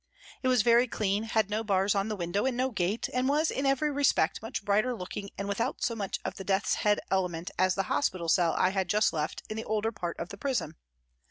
It was very clean, had no bars on the window and no gate, and was in every respect much brighter looking and without so much of the death's head element as the hospital cell I had just left in the older part of tha prison.